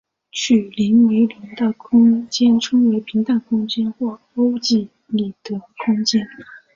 曲率为零的空间称为平坦空间或欧几里得空间。